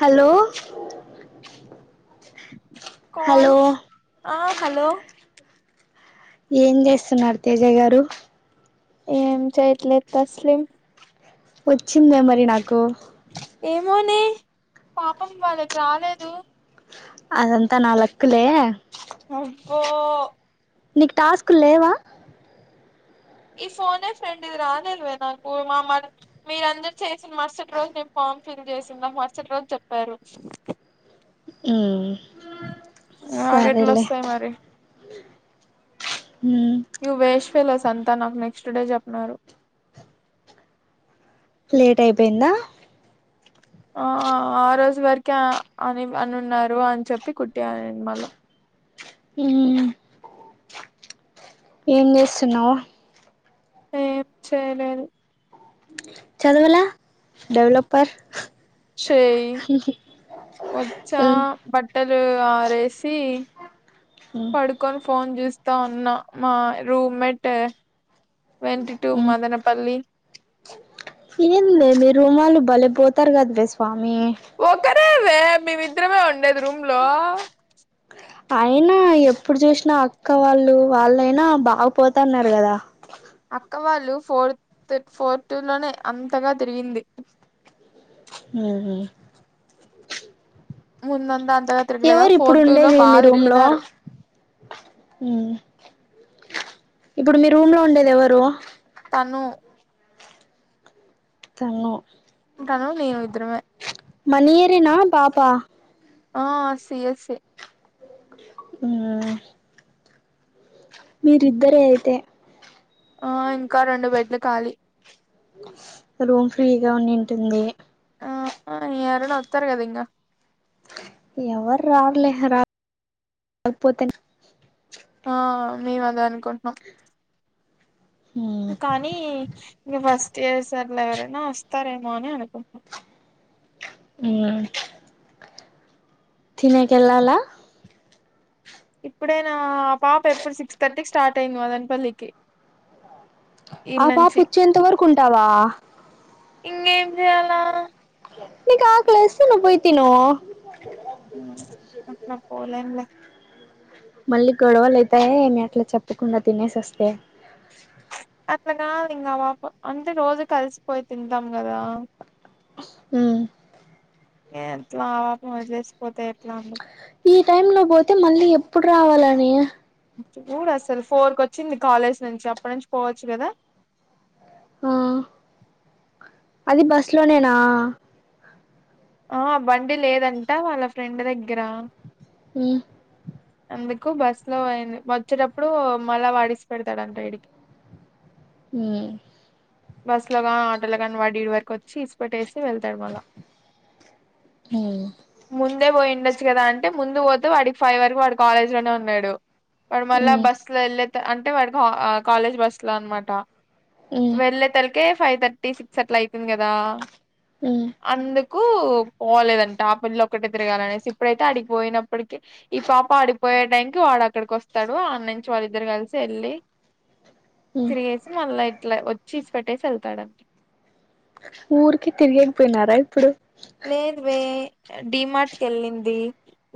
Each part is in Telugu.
హలో హలో ఆ హలో ఏం చేస్తున్నారు తేజ గారు ఏం చేయట్లేదు తస్లిమ్ వచ్చిందే మరి నాకు ఏమోనే పాపం వాళ్ళకి రాలేదు అదంతా నా లక్కులే అబ్బో నీకు టాస్క్ల్ లేవా ఈ ఫోన్ ఏ ఫ్రెండ్ ఇది రాలేదు మే నాకు మా మరి మీరు అందరు చేసిన మరుసటి రోజు నేను ఫామ్ ఫిల్ చేసినా మరసటి రోజు చెప్పారు ఉమ్ నాకు ఎట్లా సరేలేే వస్తాయి మరి యు వేష్ట్ ఫెల్సో అంతా నాకు నెక్స్ట్ డే చెప్పన్నారు లేట్ అయిపోయిందా ఆ ఆ రోజు వరకే అని అను ఉన్నారు అని చెప్పి కుట్టా నేను మళ్ళా ఏం చేస్తున్నావు ఏం చేయలేదు చదవాల డెవలపర్ చేయి వచ్చా బట్టలు ఆరేసి పడుకొని ఫోన్ చూస్తా ఉన్నా మా room mate went to Madanapalle ఎందే మీ రూమ్ వాళ్ళు బలే పోతారు కదనే స్వా ఒకరేందే మేమిద్దరమే ఉండేది రూమ్ లో అయినా ఎప్పుడు చూసినా అక్క వాళ్ళు వాళ్ళయినా బాగ పోతున్నారు కదా అక్క వాళ్ళు ఫోర్త్ పోర్ టూ లోనే అంతగా తిరిగింది ఉహుమ్ ముందు అందా రాత్రికి లేదా ఎవరు ఇప్పుడు ఫోర్ టూలో ఉండేది బా మీ రూమ్ లో తరిగినారు మ్ ఇప్పుడు మీ రూమ్ లో ఉండేది ఎవరు తను తెల్లం ఇక అను నేను ఇద్దరమే మన ఇయర్ ఏ నా పాపా ఆ సి ఎస్ ఈ ఆమ్ మీరిద్దరే అయితే ఆ ఇంకా రెండు బెడ్ లు ఖాళి రూమ్ ఫ్రీ గానే ఉంటుంది ఆ ఎవరైన్నా వత్తరా కదా ఇంకా ఎవరు రారులే రాకపోతే నే ఆ మేము అదే అనుకుంటున్నాం మ్ కానీ ఇంక ఫస్ట్ ఇయర్ సర్లే ఎవరైనా వస్తారేమో అని అనుకుంటున్నాను తినే కేలాలా ఇప్పుడే నా పాప ఎప్పుడు సిక్స్ థర్టీకి స్టార్ట్ అయింది మదనపల్లికి ఆ ఈడ్ పాప నుంచి వచ్చేంత వరకు ఉంటావా ఇంకేం చేయాలా నీకు ఆకలి వేస్తే నువ్వు పోయి తిను అ అట్లా పోలేనులే మళ్ళీ గొడవలు అయితాయ మీ అట్లా చెప్పకుండా తినేసి వస్తే అట్లాగా ఇంకా మా అంటే రోజు కలిసిపోయి తింటాం కదా ఉ ఎట్లా ఆవాప వదిలేసిపోతేా ఎట్లా అండదు ఈ టైమ్ లో పోతే మళ్ళీ ఎప్పుడు రావాల అన్నయ్య చూ అసలు ఫోర్ కు వచ్చింది కాలేజ్ నుంచి అప్పటి నుంచి పోవచ్చు కదా ఆ అది బస్ లోనేేనా ఆ బండి లేదంట వాళ్ళ ఫ్రెండ్ దగ్గర అ అందుకు బస్ లో అయింది వచ్చేటప్పుడు మళ్ళా వాడిసి పెడతాడుంటైడికి హ బస్సు లో కాని ఆటోలో ని వాడిడి వరకు వచ్చి ఇసిపట్టేసి వెళ్తాడు మళ్ళా ఉమ్ ముందే పోయిండొచ్చు కదా అంటే ముందు పోతే వాడికి ఫైవ్ వరకు వాడు కాలేజ్ లోనే ఉన్నాడు వాడు మళ్ళా ఉమ్ బస్సు లో వెళ్ళ అంటే వాడికి కాలేజ్ బస్ లో అనమాట ఉమ్ వెళ్ళ తలక ఫైవ్ ర్టీ టీ సిక్స్ అట్లా అవుతుంది కదా అందుకు పోలేదంటే ఆ పెళ్ల్లి ఒక్కటే తిరగాలనేసి ఇప్పుడైతే అడిపోయినప్పటిక ఈ పాప ఆడిపోయే టైం వాడు అక్కడికి వస్తాడు అన్న నుంచి వాళ్ళిద్దరు కలిసి వెళ్ళలి ఉమ్ త్రీయేస్ మళ్ళా ఇట్లా వచ్చి తీసి పెట్టేసి వెళ్తాడంటడి ఊరికి తిరిగకపోయినారా ఇప్పుడు లేదువే డిమాట్కి వెళ్ళింది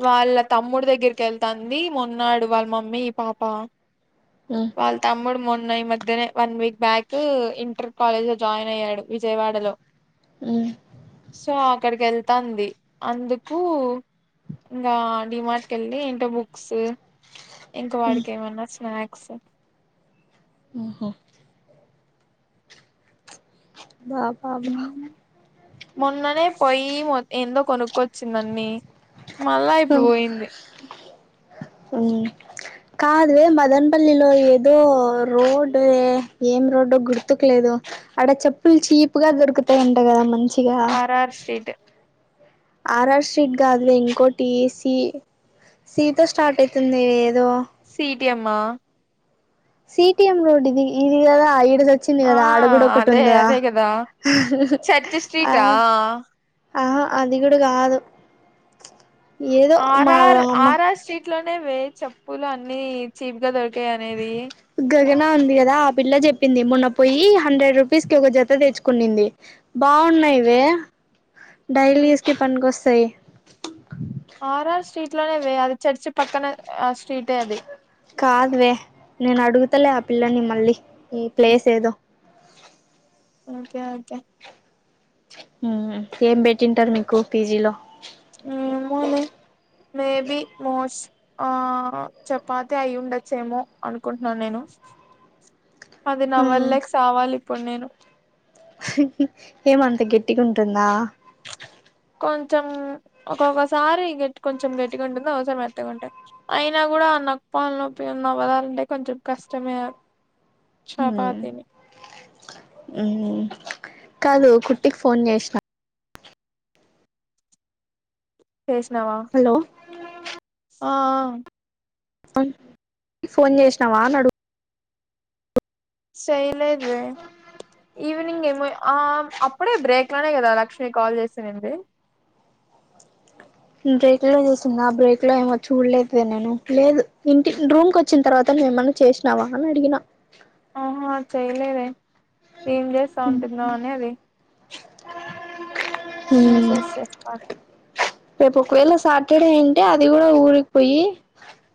వాళ్ళ తమ్ముడి దగ్గరికి వెళ్తాంది మన్నాడు వాళ్ళ మమ్మీ పాప ఉమ్ వాళ్ళ తమ్ముడు మొన్న ఈ మధ్యనే one week back inter college join అయ్యాడు విజయవాడలో ఆ సో అక్కడికి వెళ్తాంది అందుకు ఇంకా డిమార్ట్ క వెళ్ి ఏంటో బుక్స్ ఇంకా వాడికి ఏమన్నా స్నాక్స్ ఆఓహో [unintelligible] మొన్ననే పొయి ఏందో కొనుక్కొచ్చిందన్నీ మళ్ళా ఇప్పుడు పోయింది అది మదన్పల్లిలో ఏదో రోడ్ ఏం రోడ్ో గుర్తుకు లేదు అ చెప్పుల్ చీపుగా అదిొరుకుతాంట కదా మంది R R street RR street కాదులో ఇంకోటి సి సీతో స్టార్ట్ అయితుంది ఏదో కటీ అమ్మా సిటిఎం రోడ్ ఇది ఇదిగ ఐ అ వచ్చింది ఆ కదా ఆడ కూడా ఒకటి అదే ఉందా అదే కదా చర్చ్ ఆ స్ట్రీటా ఆహా అది కూడా కాదు ఏదో ఆర్ మా ఆర్ అమ్మ ఆర్ఆర్ స్ట్రీట్ లోనే వే చెప్పులు అన్నిీ చీప్ గా దొకు క అనేది ఉంది కదా ఆ పిల్ల చెప్పింది మున్న పోయి హండ్రెడ్ రూపీస్ కి ఒక జత తెచ్చుకుంది బా న్నాయివ డైలీ యూస్కి పనినికిొస్తాయి ఆర్ ఆర్ స్ట్రీట్ లోనే వే, అది చర్చి పక్కన ఆ స్ట్రీటే అది. కాదువే, నేన్ అడుగుతాలే ఆ పిల్లని మళ్ళీ, ఈ ప్లేస్ ఏదో. Okay okay. ఉమ్, ఏం బెట్టింటారు మీకు పీజిలో. ఏమో నే, మేబి మోస్. ఆ చపాతి అయి ఉండచ్చేమో, అనుకుంటున్నాను నేను. అది నమాల్ లేక సావాలి ఇప్పుడ్ నేను. ఏమంత గట్టిగా ఉంటుందా. కొంచెం, ఒక్కొక్కసారి గట్టి, కొంచెం గట్టిగా ఉంటుంది. ఒకోసారి మెత్తగాంటాయి. అయినా గు కూడా నప్పా పాల నొప్పి అన్నావ్ కదా, [unintelligible] కొంచెం కష్టమే అవి. చపాతీని ఉమ్, కాదు కుట్టికి ఫోన్ జేసిన చేసినవా, హలో ఆ ఆ ఫోన్ చేసినావా అనడు సేయ్లేదే వే ఈవినింగ్ ఏమో, ఆ అప్పుడే బ్రేక్ లోనే కదా లక్ష్మి కాల్ చేసినినింది. బ్రేక్ లోనే చేసిందా, ఆ బ్రేక్ లో ఏమో చూడలేదు వే నేను. లేదు ఇంటి, రూమ్ కు ఓచ్చిన తర్వాత మేము ఏమన్నా చేసినావా అని అడిగిన. ఆహా చేయలేదే, ఏం జేస్తా ఉంటుందో అని అది. మెసేజ్ చేయి [unintelligible] రేపు ఒకవేళ సాటర్డే ఉంటే, అది కూడా ఊరికి పోయి,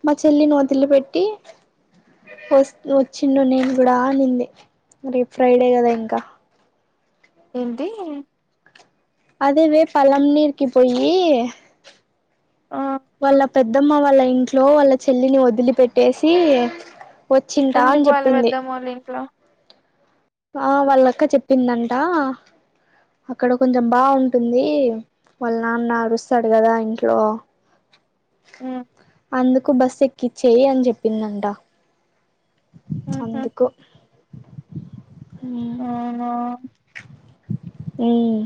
మా చెల్లి నీ ఓదిలి పెట్టి, ఓస్త్ వచ్చిండు నేను కూడా అనింది. రేప్ ఫ్రైడే కదా ఇంకా. ఏంటి అదేవే పలంనీరుకి పోయ్యి ఆ వాళ్ళ పెద్దమ్మ వాళ్ళ ఇంట్లో, వాళ్ళ చెల్లిని వదిలి పెట్టేసి వచ్చింటా ఎందుకు అని వాళ్ళ జెప్పింది. పెద్దమ్మ వాళ్ళ ఇంట్లో ఆ వాళ్ళక్క చెప్పిందంట, అక్కడ కొంచెం బావుంటుంది. వాళ్ళ నాన్న అరుస్తాడు గదా ఇంట్లో. ఉమ్ అందుకు, బస్సు ఎక్కిచ్చేయి అని జెప్పిందంట. ఉహు అందుకు అవునా. ఉమ్మ్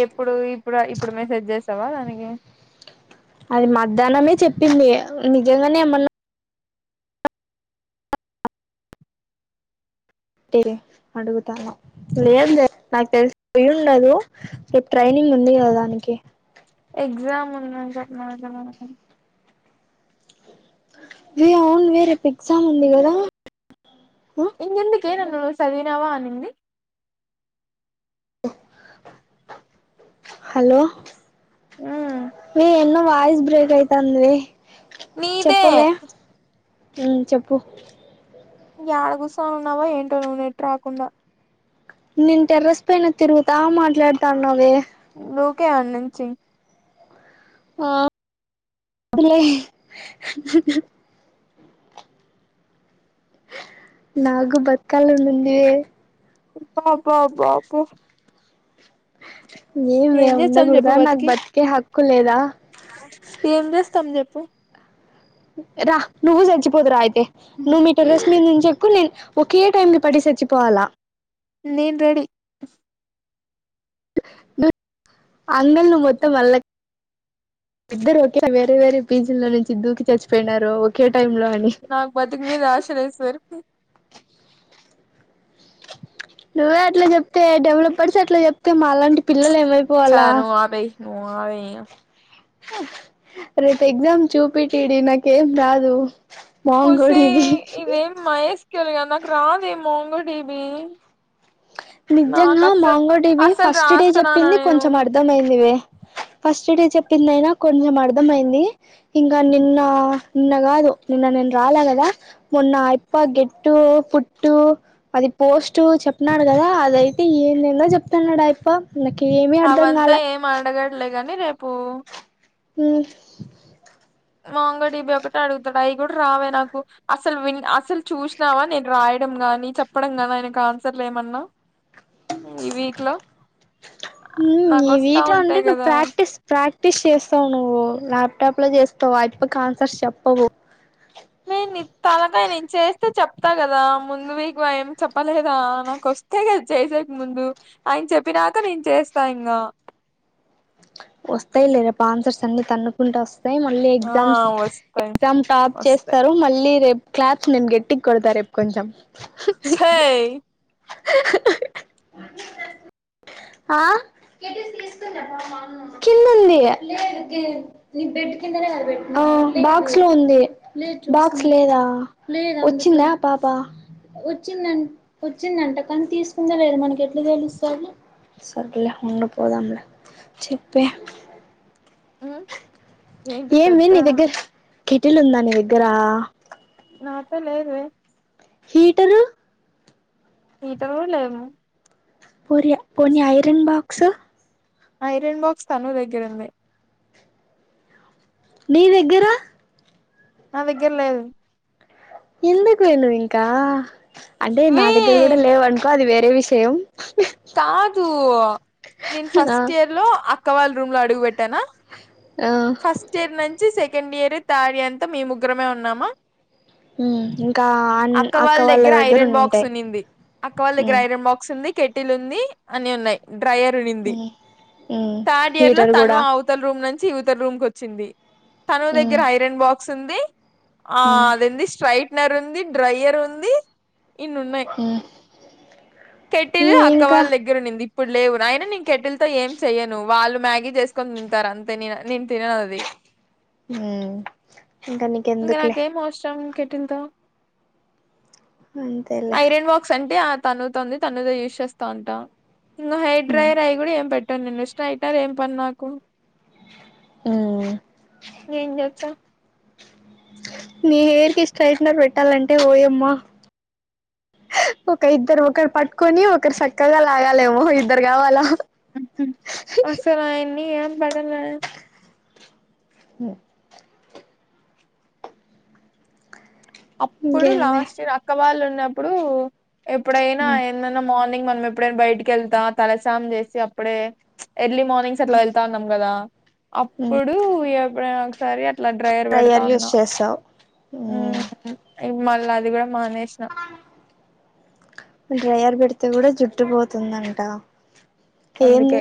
ఎప్పుడు, ఇప్పుడ ఇప్పుడు మెసేజ్ చేసావా దానికి ధనమే చెప్పింది, నిజంగానే మొన్నా లేదు లే నాకు తెలిసి పోయి ఉండదు, రేప్ ట్రైనింగ్ గ్ ఉంది కదా దానికి. ఎగ్జామ్ ఉన్నా [inaudible] వే అవున్ వే, రేపు ఎగ్జామ్ ఉంది గదా. ఇంగెందుకే నన్ను సదివినవా అనింది. హలో, ఉమ్ హే ఎన్న వాయిస్ బ్రేక్ అయితాంది వే. నీదే ఉమ్ చెప్పు. ఏడ కుర్సొని ఉన్నావో ఏంటో నువ్వు నెట్టు రాకుండా నేన్ టెర్రస్ పైన తిరుగుతా మాట్లాడతాన్నవే దుకేయ్ అడీ నుంచి ఆ లే నాకు బతుకాలనీ ఉంది వే అబ్బా బా బా బా ఏమే చెప్పు ఉండకూడదా నాకు బతికి బతికే హక్కు లేదా ఏం చేస్తాం చెప్పు రా నువ్వు చచ్చిపోదు రా అయితే నువ్వు మీ టెర్రస్ మీద నుంచెక్కు నేను ఓకే టైం కి పడి సచ్చి పోవాలా నేన్ రెడి ను అంగల్ ను మొత్తం అళ్ల ఇద్దరు ఒకే వేరే వేరే పీజీ లో నుంచి దూకి చచ్చిపోయినారు ఒకే టైమ్ లో అని నాకు బతుకు మీద ఆశ లేదు సార్ నువ్వే అట్లా చెప్తే డెవలపర్స్ అట్లా చెప్తే మాలాంటి పిల్లలు ఏమి చా ఆయిపోవాలా నువ్వు ఆపేయ్ నువ్వు అగు ఇగ రేపూ ఎక్సామ్ చూపి ఇట్డి నాకేం రాదు ఒసేయ్ మోంగోడివి ఇదేమి మహేష్కెళగా నాకు రాదేమో మంగటివి నిజంగా మాంగటివి అసలు ఫస్ట్ డే రాస్తన్నానా చెప్పింది నేను కొంచెం అర్ధమయింది వే ఫస్ట్ డ చెప్పిందయినా కొంచెం అర్థమయింది. ఇంకా నిన్న నిన్న కాదు నిన్న నే రా అల గాదా మొన్న ఇప్ప గేట్టు పుట్టు అ పోస్ట్ చెప్ అంటున్నాడు కదా అదైతే ఏంది ఏందో చెప్తున్నాడు అయిపో నాకు ఏమి అర్ధం కాలే అట్లే గాని రేపు హ్ మాంగడిబి ఒకటి అడుగుతాడు అవి కూడా రావే నాకు అసలు వి అసలు చూసినావా నేను రాయడం నాని చెప్పడం గాని ఆయనకు ఆన్సర్లు ఏమన్నా ఇవి ఇట్ల నీ వీక్లో అంటే నువ్వు ప్రాక్టీస్ ప్రాక్టీస్ చేస్తావు నువ్వు ల్యా లాప్ టాప్ లో చేస్తావా ఇప్ ఆన్సర్ చెప్పవు ని తాలకాయ నేను చేస్తే చెప్తా కదా ముందు వీక్ ఏం చెప్పలేదా నాకు వస్తే కదా చేసేకి ముందు ఆయన చెప్పినాక నేను చేస్తా ఇంగా వస్తాయిలే పా ఆన్సర్స్ అన్ని తన్నుకుంట వస్తా మళ్ళీ ఆ ఎగ్జామ్స్ వస్తాయి ఎగ్జామ్ టాప్ వస్తాయి చేస్తారు మళ్ళీ రేపూ క్లాప్స్ నేను గట్టిగా కొడతా రేపు కొంచెం ఒసేయ్ ఆ కిందంది బ కింద బాక్స్ లో ఉంది బాక్స్ లేదా వచ్చిందా పా పా వచ్చిందం వచ్చిందంట కానీ తీసుకుందే లేదా మనకి ఎట్లా తెలుస్తది సర్గలే ఉండు పోదాంలే చెప్పే హ్ ఏమి నీ దగ్గర కెటిలు ఉందా నీ దగ్గర నా అత్త లేదువే హీటరూ హీటరూ లేదు. పోనీ ఐరన్ బాక్స్ ఐరన్ బాక్స్ తను దగ్గర ఉంది. నీ దగ్గర నా దగ్గర లేదు. ఎందుకు వే నువు ఇంకా అంటే నా వే దగ్గర కూడా లేవు అనుకో అది వేరే విషయం కాదు నేను ఆ ఫస్ట్ ఇయర్ లో అక్కవాళ్ళ రూమ్ లో అడుగుట్టానా ఆ ఫస్ట్ ఇయర్ నుంచి సే సెకండ్ ఇయర్, థర్డ్ ఇయర్ అంతా మేం ముగ్గురమే ఉన్నామా హ్మ్ ఇంకా అన్ అక్క అక్కావాళ్ళ వాళ్ళ దగ్గర ఐరన్ బాక్స్ ఉండింటాయి ఉన్నింది. అక్క వాళ్ళ దగ్గర హ్మ్ ఐరన్ బాక్స్ ఉంది, కేటిల్ ఉంది. ఇంకా అన్నీ ఉన్నాయి. డ్రైయర్ ఉన్నింది. హ్మ్ హ్మ్ థర్డ్ ఇయర్ లో హీటర్ తను కూడా అవతల రూమ్ నుంచి ఇవతల రూమ్ కి వచ్చింది. తను హ్మ్ దగ్గర ఐరన్ బాక్స్ ఉంది. ఆ హ్మ్ అదేంది స్ట్రైట్నర్ ఉంది, డ్రయర్ ఉంది. ఇన్నన్నాయి. హ్మ్ కేటిల్ హ్మ్ అక్కా ఇంకా వాళ్ళ దగ్గర ఉన్నింది. ఇప్పుడు లేవు. అయినా నేను కెటిల్ తో ఏం చెయ్యను వాళ్ళు మ్యాగీ చేసుకొని తింటారు అంతే. నే నేను తినను అది. హ్మ్ ఇంకా ఇంక నీకెందుకులే నాకేం అవసరం. కెటిల్ తో అంతేలే ఐరన్ బాక్స్ అంటే తనుతోంది తనూ దే యూస్ చేస్తా ఉంటా ఇంకా హెయిర్ హ్మ్ డ్రయర్ అయి కూడా ఏ పెట్ట నిన్న ఇష్ట అయితే ఏం పని నాకు హ్మ్ ఏం చేస్తాం నీ హెయిర్ కి స్ట్రైట్నర్ పెట్టాలంటే ఓయమ్మా. ఒక ఇద్దరు ఒకరు పట్టుకొని ఒకరు చక్కగా లాగాలేేమో ఇద్దరు కావాలా? అసలా అవన్నీ ఏం పడలా హ్మ్ అప్పుడు ఇంకేంలే లాస్ట్ ఇయర్ అక్క వాళ్ళు ఉన్నప్పుడు, ఎప్పుడైనా హ్మ్ ఎందన్నా మాల్ మనం ఎప్పుడైనా బయటికి వెళ్తా తల స్నానం చేసి అప్పుడే ఎర్లీ మార్నింగ్స్ అలా వెళ్తా ఉన్నాం కదా హ్మ్ అప్పుడు ఎప్పుడైనా ఒకసారి అట్లా డ్రైయర్ డ్రయర్ యూస్ పెడతాన్నా. చేస్తావు హ్మ్ ఉమ్ మళ్ళీ అది కూడా మానేసినా. డ్రయర్ పెడితే కూడా జుట్టు పోతుందంట. అందుకే ఏంది